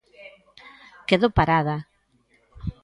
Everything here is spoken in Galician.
Quedo parada.